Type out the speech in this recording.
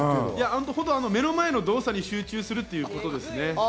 目の前の動作に集中するということですね。